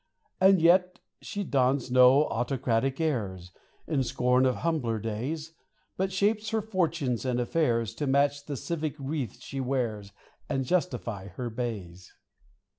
and yet, She dons no autocratic airs, In scorn of humbler days, But shapes her fortunes and affairs, To match the civic wreath she wears And justify her bays.